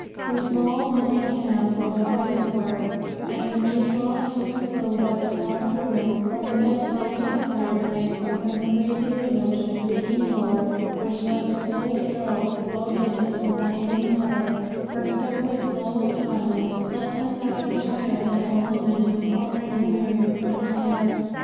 Her small bony hands were hard with work; and when she trod to and fro about the crowded room, from the bedside to the fireplace, or from the crazy window to the creaking door, which let the cold draughts blow in upon the ailing mother, her step was slow and silent, less like that of a child than of a woman who was already weary with much labour.